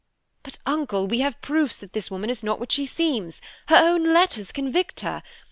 "But, Uncle, we have proofs that this woman is not what she seems. Her own letters convict her.